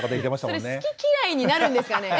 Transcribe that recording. それ好き嫌いになるんですかね？